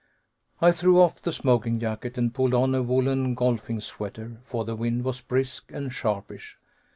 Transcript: I threw off the smoking jacket and pulled on a woolen golfing sweater, for the wind was brisk and sharpish.